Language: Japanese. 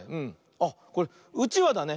あっこれ「うちわ」だね。